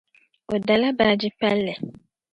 O dala baaji palli.